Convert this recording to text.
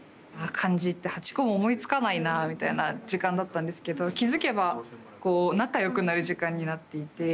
漢字って８個も思いつかないなみたいな時間だったんですけど気付けばこう仲良くなる時間になっていて。